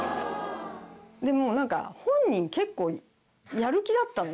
もうなんか本人結構やる気だったの。